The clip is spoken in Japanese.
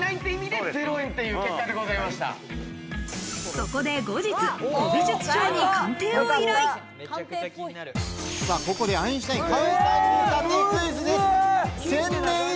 そこで後日、古美術商に鑑定を依頼。